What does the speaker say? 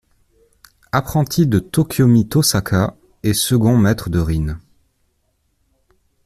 Apprenti de Tokiomi Tōsaka et second maître de Rin.